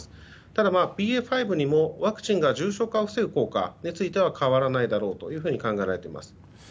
ただ、ＢＡ．５にもワクチンが重症化を防ぐ効果については変わらないだろうと考えられています。